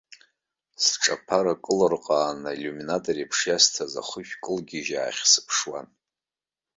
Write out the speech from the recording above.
Сҿаԥара кылырҟаан аилиуминатор еиԥш иасҭаз ахышә кылгьежьаахь сыԥшуан.